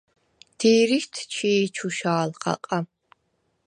დი̄რიშდ ჩი̄ ჩუშა̄ლ ხაყა.